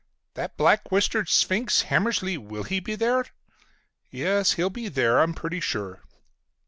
"That black whiskered sphinx, Hammersly, will he be there?" "Yes, he'll be there, I'm pretty sure."